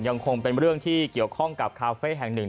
ยังคงเป็นเรื่องที่เกี่ยวข้องกับคาเฟ่แห่งหนึ่ง